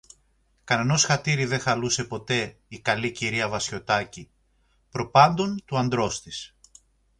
Κανενός χατήρι δε χαλούσε ποτέ η καλή κυρία Βασιωτάκη, προπάντων του αντρός της